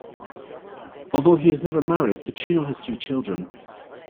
Although he has never married, Pacino has three children.